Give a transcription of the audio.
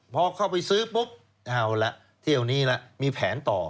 พอเข้าไปซื้อปุ๊บเอาละเที่ยวนี้แล้วมีแผนต่อ